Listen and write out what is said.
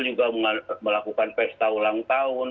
juga melakukan pesta ulang tahun